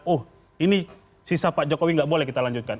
oh ini sisa pak jokowi nggak boleh kita lanjutkan